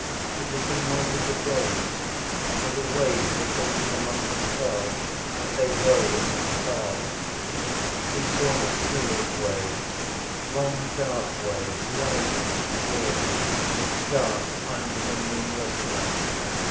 It was the noise of the waves. Or the waves were talking among themselves as they rose and fell. He saw the sea of waves, long dark waves rising and falling, dark under the moonless night.